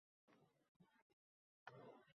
havas qildi.